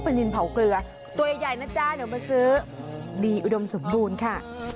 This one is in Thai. เป็นดินเผาเกลือตัวใหญ่นะจ๊ะเดี๋ยวมาซื้อดีอุดมสมบูรณ์ค่ะ